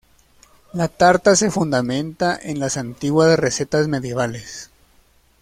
La tarta se fundamenta en las antiguas recetas medievales.